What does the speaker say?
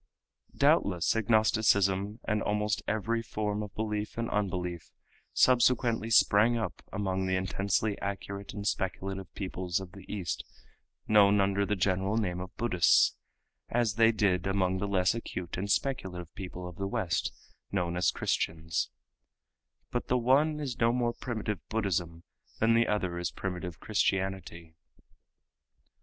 Doubtless agnosticism and almost every form of belief and unbelief subsequently sprang up among the intensely acute and speculative peoples of the East known under the general name of Buddhists, as they did among the less acute and speculative peoples of the West known as Christians; but the one is no more primitive Buddhism than the other is primitive Christianity.